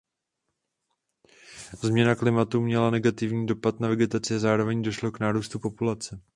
Změna klimatu měla negativní dopad na vegetaci a zároveň došlo k nárůstu populace.